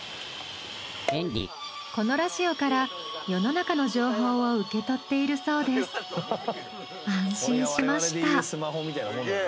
このラジオから世の中の情報を受け取っているそうです。